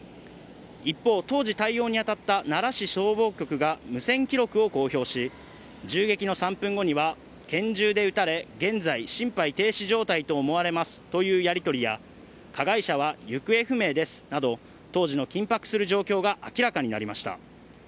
一方、当時対応に当たった奈良市消防局が無線記録を公表し銃撃の３分後には拳銃で撃たれ現在、心肺停止状態と思われますというやりとりや加害者は行方不明ですなど当時の緊迫する状況が明らかになりました。